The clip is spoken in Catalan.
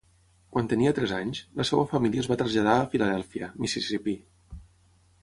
Quan tenia tres anys, la seva família es va traslladar a Philadelphia, Mississipí.